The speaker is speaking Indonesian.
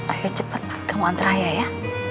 ayo cepat kamu antar raya ya